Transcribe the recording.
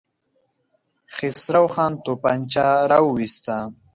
خسرو خان توپانچه را وايسته.